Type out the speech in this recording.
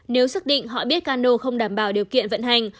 nếu xác định họ biết cano không đảm bảo điều kiện vận hành